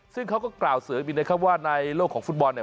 ซึ่งเขาก็กล่าวเสริมอีกนะครับว่าในโลกของฟุตบอลเนี่ย